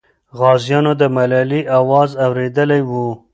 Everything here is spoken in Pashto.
غازیانو د ملالۍ اواز اورېدلی وو.